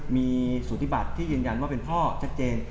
มีสุธิบัติที่ยืนยันว่าเป็นพ่อชัดเจน